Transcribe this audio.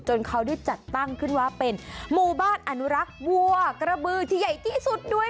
เขาได้จัดตั้งขึ้นว่าเป็นหมู่บ้านอนุรักษ์วัวกระบือที่ใหญ่ที่สุดด้วย